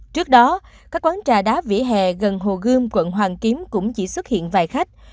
trước đó các quán trà đá vỉa hè gần hồ gươm quận hoàn kiếm cũng chỉ xuất hiện vài khách